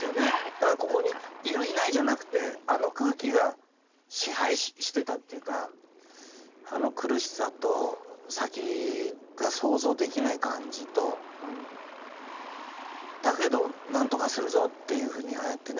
だからここにいるいないじゃなくてあの空気が支配してたっていうかあの苦しさと先が想像できない感じとうんだけどなんとかするぞっていうふうにああやってね